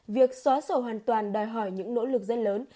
việc xóa sổ hoàn toàn đòi hỏi những nỗ lực rất lớn